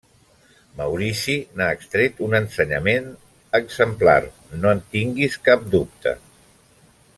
Maurici n’ha extret un ensenyament exemplar, no en tingues cap dubte.